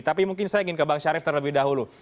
tapi mungkin saya ingin ke bang syarif terlebih dahulu